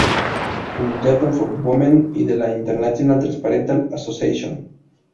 Foundation for Women y de la International Transpersonal Association.